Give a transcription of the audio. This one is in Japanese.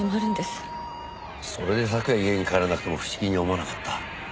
それで昨夜家に帰らなくても不思議に思わなかった。